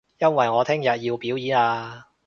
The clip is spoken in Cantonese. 因為我聽日要表演啊